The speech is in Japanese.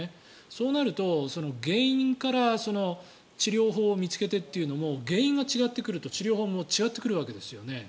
そうなると原因から治療法を見つけてというのも原因が違ってくると治療法も違ってくるわけですよね。